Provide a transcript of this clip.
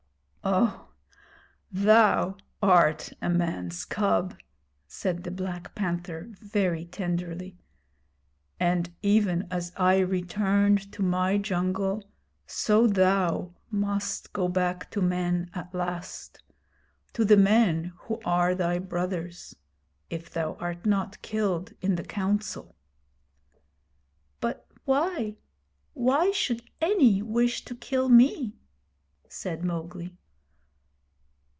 'Oh, thou art a man's cub,' said the Black Panther, very tenderly; 'and even as I returned to my jungle, so thou must go back to men at last, to the men who are thy brothers, if thou art not killed in the Council.' 'But why but why should any wish to kill me?' said Mowgli.